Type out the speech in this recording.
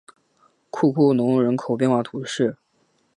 库库龙人口变化图示